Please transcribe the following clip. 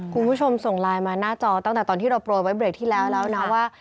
คุณผู้ชมส่งไลน์มาหน้าจอตั้งแต่ตอนที่เราโปรยไว้เบรกที่แล้วแล้วนะว่า